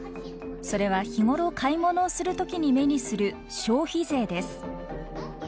それは日頃買い物をする時に目にする消費税です。